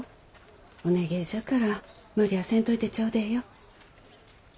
お願えじゃから無理ゃあせんといてちょうでえよ。